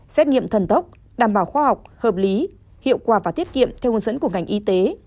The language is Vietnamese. xét nghiệm thần tốc đảm bảo khoa học hợp lý hiệu quả và tiết kiệm theo hướng dẫn của ngành y tế